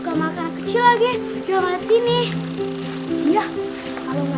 gimana kalau sekarang dika udah kenapa napa